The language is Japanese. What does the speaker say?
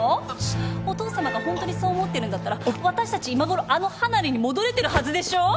お父さまがホントにそう思ってるんだったら私たち今頃あの離れに戻れてるはずでしょう？